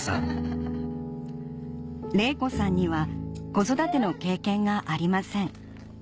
玲子さんには子育ての経験がありません